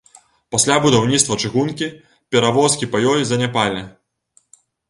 Пасля будаўніцтва чыгункі перавозкі па ёй заняпалі.